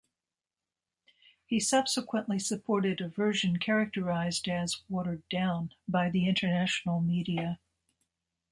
He subsequently supported a version characterized as "watered down" by the international media.